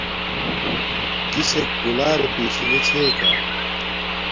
کِیسݵک کُلݳرݺ پݵشِنݺ چݵکݳ؟